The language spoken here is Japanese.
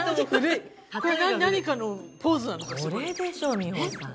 これでしょ美穂さん